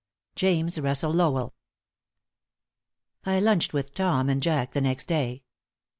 James Russell Lowell. I lunched with Tom and Jack the next day.